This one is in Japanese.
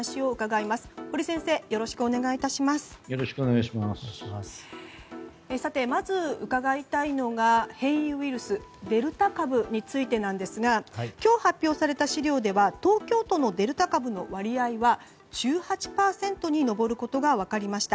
さて、まず伺いたいのは変異ウイルスデルタ株についてなんですが今日、発表された資料では東京都のデルタ株の割合は１８％に上ることが分かりました。